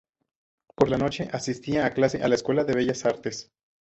Por la noche asistía a clase a la Escuela de Bellas Artes.